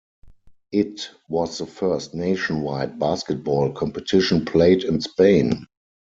It was the first nationwide basketball competition played in Spain.